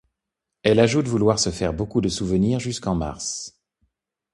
Elle ajoute vouloir se faire beaucoup de souvenirs jusqu’en mars.